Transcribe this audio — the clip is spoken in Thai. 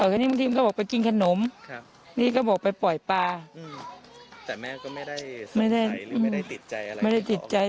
เอามีกลับไปกินขนมนี่ก็บอกไปปล่อยปลาไม่ได้ติดใจอะไร